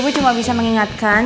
ibu cuma bisa mengingatkan